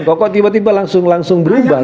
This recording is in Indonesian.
kok kok tiba tiba langsung langsung berubah